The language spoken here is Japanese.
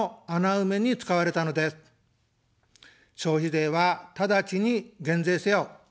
消費税はただちに減税せよ。